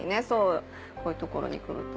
こういう所に来ると。